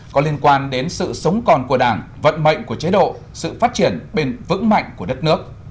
có liên quan đến sự sống còn của đảng vận mệnh của chế độ sự phát triển bền vững mạnh của đất nước